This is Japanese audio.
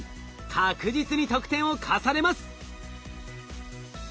確実に得点を重ねます。